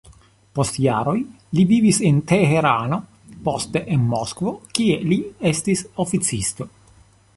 Post jaroj li vivis en Teherano, poste en Moskvo, kie li estis oficisto.